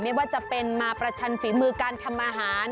ไม่ว่าจะเป็นมาประชันฝีมือการทำอาหาร